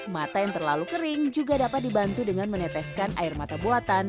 mata yang terlalu kering juga dapat dibantu dengan meneteskan air mata buatan